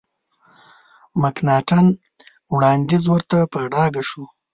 مکناټن وړاندیز ورته په ډاګه شو.